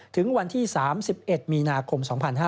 ถึงวันที่๓๑มีนาคม๒๕๕๙